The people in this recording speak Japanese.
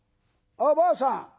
ばあさん